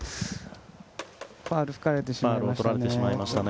ファウルを吹かれてしまいましたね。